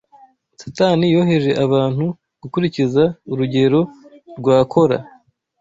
Satani yoheje abantu gukurikiza urugero rwa Kora,